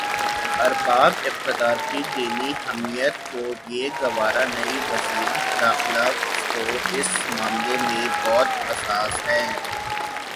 ارباب اقتدارکی دینی حمیت کو یہ گوارا نہیں وزیر داخلہ تو اس معاملے میں بہت حساس ہیں۔